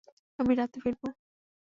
আমি রাতে ফিরবো।